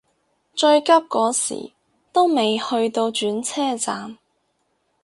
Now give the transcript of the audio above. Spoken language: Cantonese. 最急嗰時都未去到轉車站